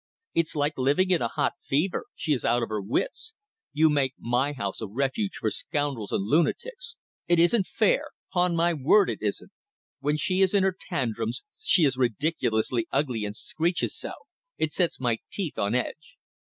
It's like living in a hot fever. She is out of her wits. You make my house a refuge for scoundrels and lunatics. It isn't fair. 'Pon my word it isn't! When she is in her tantrums she is ridiculously ugly and screeches so it sets my teeth on edge.